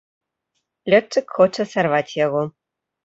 Лётчык хоча сарваць яго.